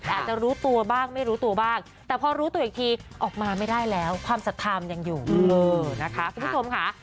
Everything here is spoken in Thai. อาจจะรู้ตัวบ้างไม่รู้ตัวบ้างแต่พอรู้ตัวอีกทีออกมาไม่ได้แล้วความศรัทธามันยังอยู่นะคะคุณผู้ชมค่ะ